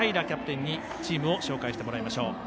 キャプテンにチームを紹介してもらいましょう。